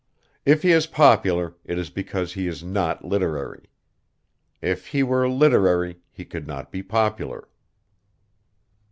If he is popular, it is because he is not literary; if he were literary he could not be popular."